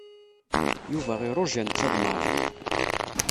Yuba iruja netta d Mary.